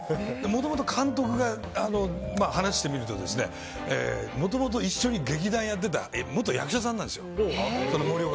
もともと監督と話してみるともともと一緒に劇団をやってた元役者さんなんですよ。